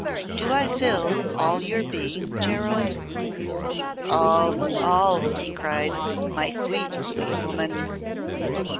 Do I fill all your being, Gerald?" "All, all!" he cried, "my sweet, sweet woman."